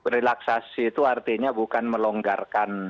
relaksasi itu artinya bukan melonggarkan